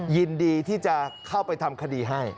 ยินดีที่จะเข้าไปทำคดีให้